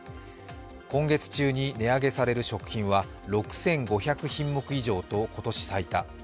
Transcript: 今月中に値上げされる食品は、６５００品目以上と、今年最多。